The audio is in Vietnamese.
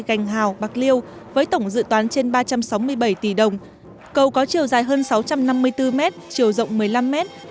gành hào bạc liêu với tổng dự toán trên ba trăm sáu mươi bảy tỷ đồng cầu có chiều dài hơn sáu trăm năm mươi bốn mét chiều rộng một mươi năm mét